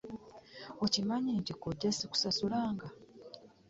Okimanyi nti kkojja ssikusasulanga?